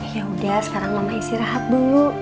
yaudah sekarang mama istirahat dulu